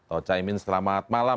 oh caimin selamat malam